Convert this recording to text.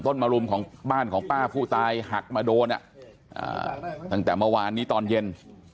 มารุมของบ้านของป้าผู้ตายหักมาโดนตั้งแต่เมื่อวานนี้ตอนเย็น